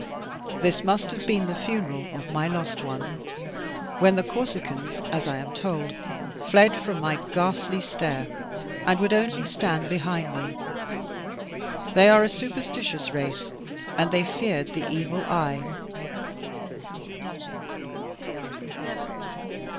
This must have been the funeral of my lost one; when the Corsicans, as I am told, fled from my ghastly stare, and would only stand behind me. They are a superstitious race, and they feared the "evil eye."